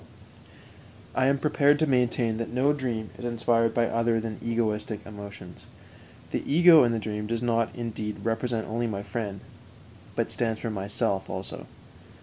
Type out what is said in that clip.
I am prepared to maintain that no dream is inspired by other than egoistic emotions. The ego in the dream does not, indeed, represent only my friend, but stands for myself also.